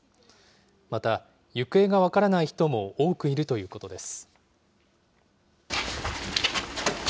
また、行方が分からない人も多くいるということです。